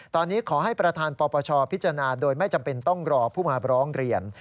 ตอนนี้ขอให้ประธานปปชพิจารณาโดยไม่จำเป็นต้องรอผู้มาร้องเรียน